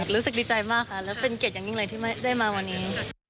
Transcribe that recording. รู้สึกดีใจมากค่ะแล้วเป็นเกียรติอย่างยิ่งเลยที่ได้มาวันนี้